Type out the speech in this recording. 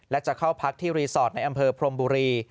และจะเข้าพักที่รีสอร์ทในอำเภอพรมบุรี